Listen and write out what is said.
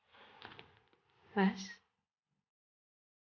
kau bisa mulai dari pecah ini